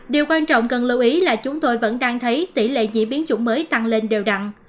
điều quan trọng cần lưu ý là chúng tôi vẫn đang thấy tỷ lệ diễn biến chủng mới tăng lên đều đặn